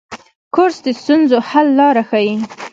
کورس د ستونزو حل لاره ښيي.